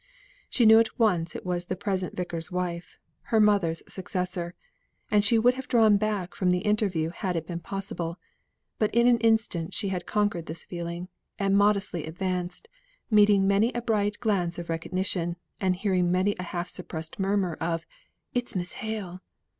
She knew at once it was the present Vicar's wife, her mother's successor; and she would have drawn back from the interview had it been possible; but in an instant she had conquered this feeling, and modestly advanced, meeting many a bright glance of recognition, and hearing many a half suppressed murmur of "It's Miss Hale."